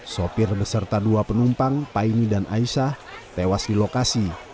sopir beserta dua penumpang paine dan aisyah tewas di lokasi